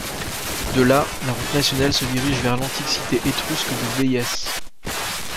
De là, la route nationale se dirige vers l'antique cité étrusque de Véies.